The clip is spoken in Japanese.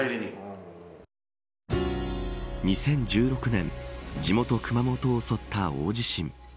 ２０１６年地元、熊本を襲った大地震。